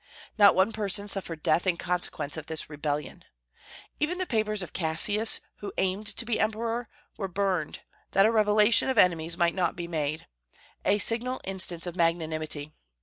Not one person suffered death in consequence of this rebellion. Even the papers of Cassius, who aimed to be emperor, were burned, that a revelation of enemies might not be made, a signal instance of magnanimity.